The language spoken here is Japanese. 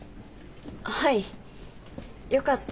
はいよかったです。